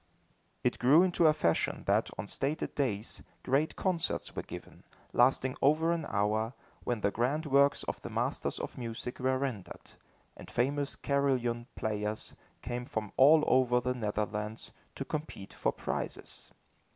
It grew into a fashion, that, on stated days, great concerts were given, lasting over an hour, when the grand works of the masters of music were rendered and famous carillon players came from all over the Netherlands, to compete for prizes.